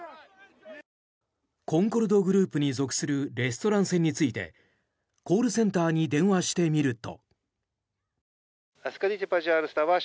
コンコルドグループに属するレストラン船についてコールセンターに電話してみると。